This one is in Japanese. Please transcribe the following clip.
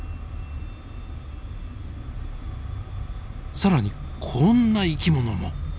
更にこんな生き物も。